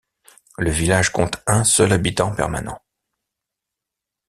Le village compte un seul habitant permanent.